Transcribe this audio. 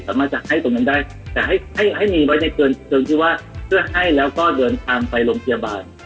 สามารถจัดให้ตรงนั้นได้แต่ให้ให้มีไว้ในเกินที่ว่าเพื่อให้แล้วก็เดินทางไปโรงพยาบาล